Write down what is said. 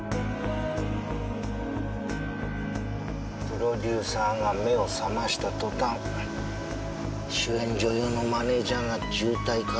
プロデューサーが目を覚ましたとたん主演女優のマネジャーが重体か。